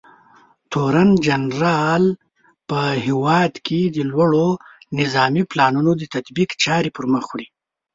تورنجنرال په هېواد کې د لوړو نظامي پلانونو د تطبیق چارې پرمخ وړي.